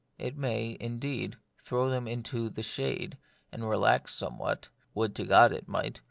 It may, indeed, throw them into the shade, and relax somewhat (would to God it might